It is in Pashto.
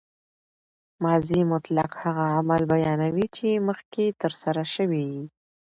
ماضي مطلق هغه عمل بیانوي، چي مخکښي ترسره سوی يي.